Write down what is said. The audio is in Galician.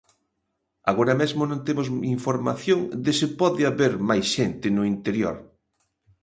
Agora mesmo non temos información de se pode haber máis xente no interior.